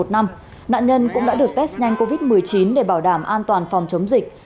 nạn nhân cũng đã được test nhanh covid một mươi chín để bảo đảm an toàn phòng chống dịch